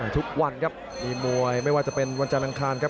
ทุกวันครับมีมวยไม่ว่าจะเป็นวันจันทร์อังคารครับ